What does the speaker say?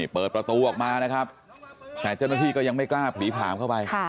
เปิดประตูออกมานะครับแต่เจ้าหน้าที่ก็ยังไม่กล้าผลีผลามเข้าไป